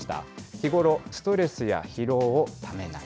日頃、ストレスや疲労をためない。